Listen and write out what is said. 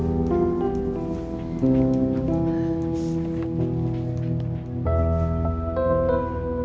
kamu punya uang